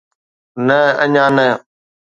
نه اڃا نه